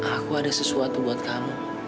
aku ada sesuatu buat kamu